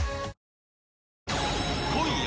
［今夜